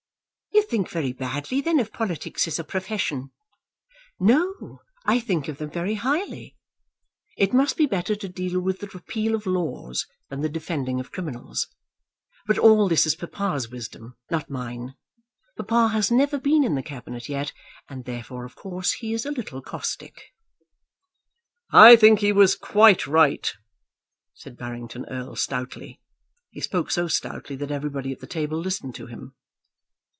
"You think very badly then of politics as a profession." "No; I think of them very highly. It must be better to deal with the repeal of laws than the defending of criminals. But all this is papa's wisdom, not mine. Papa has never been in the Cabinet yet, and therefore of course he is a little caustic." "I think he was quite right," said Barrington Erle stoutly. He spoke so stoutly that everybody at the table listened to him.